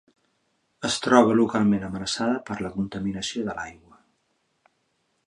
Es troba localment amenaçada per la contaminació de l'aigua.